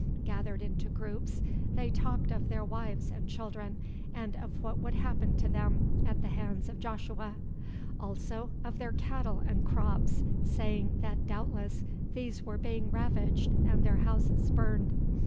Gathered into groups, they talked of their wives and children, and of what would happen to them at the hands of Joshua; also of their cattle and crops, saying that doubtless these were being ravaged and their houses burned.